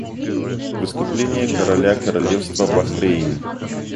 Выступление короля Королевства Бахрейн.